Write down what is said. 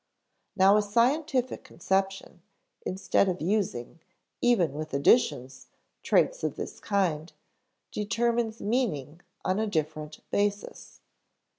Now a scientific conception, instead of using, even with additions, traits of this kind, determines meaning on a different basis.